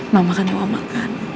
mak makan ya mak kan